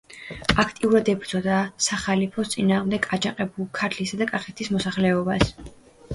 აქტიურად ებრძოდა სახალიფოს წინააღმდეგ აჯანყებულ ქართლისა და კახეთის მოსახლეობას.